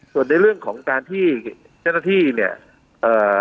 ส่วนในเรื่องของการที่เจ้าหน้าที่เนี่ยเอ่อ